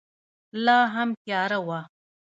لا هم تیاره وه.